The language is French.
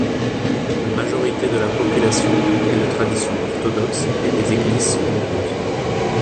La majorité de la population est de tradition orthodoxe et les églises sont nombreuses.